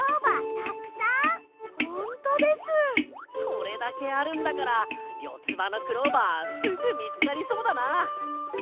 これだけあるんだからよつばのクローバーすぐみつかりそうだな！